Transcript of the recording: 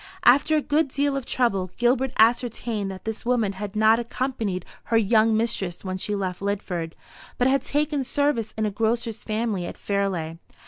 After a good deal of trouble, Gilbert ascertained that this woman had not accompanied her young mistress when she left Lidford, but had taken service in a grocer's family at Fairleigh.